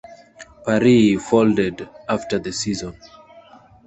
Paris folded after the season.